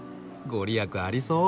御利益ありそう。